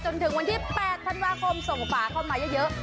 จนถึงวันที่๘ธันวาคมส่งฝาเข้ามาเยอะ